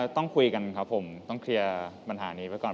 ต้องคุยกันครับผมต้องเคลียร์ปัญหานี้ไว้ก่อน